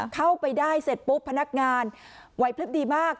เข้าไปได้เสร็จปุ๊บพนักงานไหวพลิบดีมาก